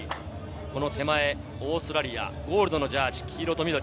手前、オーストラリア、ゴールドのジャージー、黄色と緑。